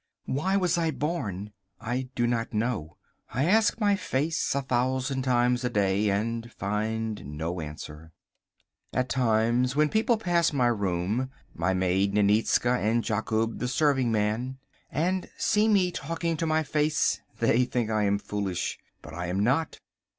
Why was I born? I do not know. I ask my face a thousand times a day and find no answer. At times when people pass my room—my maid Nitnitzka, or Jakub, the serving man—and see me talking to my face, they think I am foolish. But I am not.